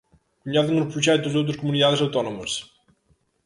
¿Coñecen os proxectos doutras comunidades autónomas?